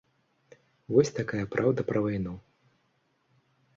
Вось такая праўда пра вайну.